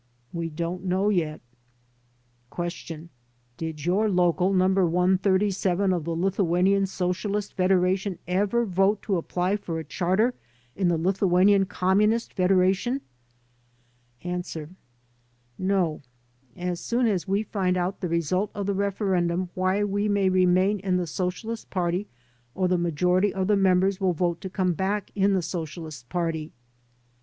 "We don't know yet" Q. "Did your local No. 137 of the Lithuanian Socialist Fed eration ever vote to apply for a charter in the Lithuanian Communist Federation?" A. "No. ... As soon as we find out the result of the referendum why we may remain in the Socialist Party or the majority of the members will vote to come back in the Socialist Party."